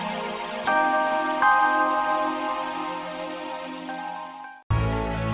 tuhan aku ingin menang